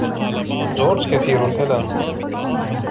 جورج كثير الكلام.